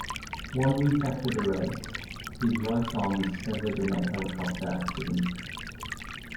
One week after the race, his right arm was severed in a helicopter accident.